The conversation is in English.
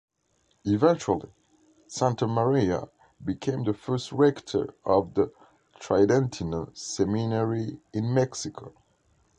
Eventually, Santa Maria became the first rector of the Tridentino Seminary in Mexico.